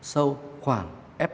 sâu khoảng f tám